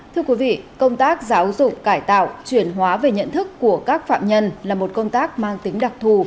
thưa quý vị công tác giáo dục cải tạo chuyển hóa về nhận thức của các phạm nhân là một công tác mang tính đặc thù